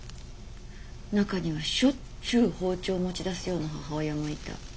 中にはしょっちゅう包丁を持ち出すような母親もいた。